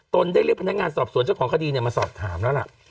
ได้เรียกพนักงานสอบสวนเจ้าของคดีมาสอบถามแล้วล่ะ